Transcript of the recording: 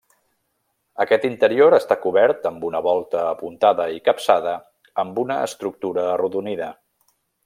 Aquest interior està cobert amb una volta apuntada i capçada amb una estructura arrodonida.